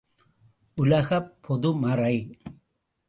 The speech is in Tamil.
உலகப் பொது மறை!